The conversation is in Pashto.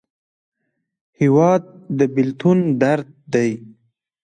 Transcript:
هېواد د بېلتون درد دی.